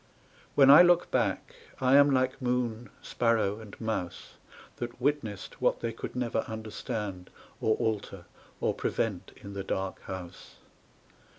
When I look back I am like moon, sparrow, and mouse That witnessed what they could never understand Or alter or prevent in the dark house.